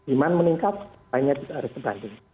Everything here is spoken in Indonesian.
iman meningkat lainnya kita harus berbanding